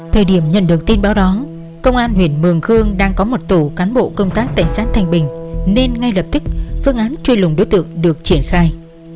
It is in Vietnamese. thời điểm nhận được tin báo đó công an huyện mường khương đang có một tổ cán bộ công tác tại xã thành bình nên ngay lập tức phương án truy lùng đối tượng được triển khai